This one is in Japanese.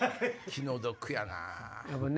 気の毒やなぁ。